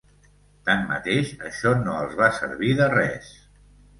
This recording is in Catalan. Tanmateix, això no els va servir de res.